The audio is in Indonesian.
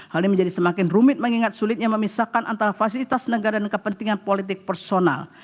hal ini menjadi semakin rumit mengingat sulitnya memisahkan antara fasilitas negara dan kepentingan politik personal